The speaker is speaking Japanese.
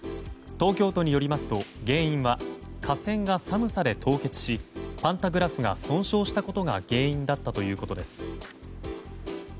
東京都によりますと原因は架線が寒さで凍結しパンタグラフが損傷したことが原因だったということです。